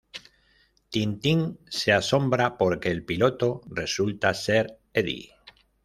Tin-Tin se asombra porque el piloto resulta ser Eddie.